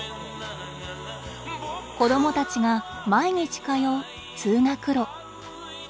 子どもたちが毎日通う「通学路」。